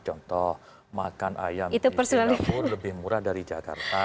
contoh makan ayam di singapura lebih murah dari jakarta